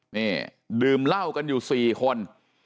นี่ดื่มเหล้ากันอยู่๔คน